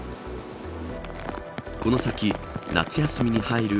この先、夏休み入る